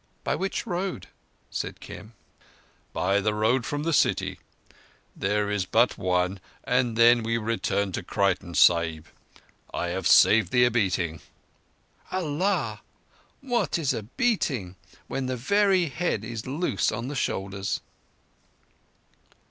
"By which road?" said Kim. "By the road from the city. There is but one, and then we return to Creighton Sahib. I have saved thee a beating." "Allah! What is a beating when the very head is loose on the shoulders?"